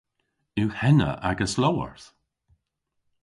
Yw henna agas lowarth?